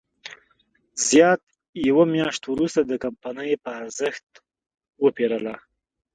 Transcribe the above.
زیات یوه میاشت وروسته د کمپنۍ په ارزښت وپېرله.